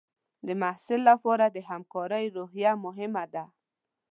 د محصل لپاره د همکارۍ روحیه مهمه ده.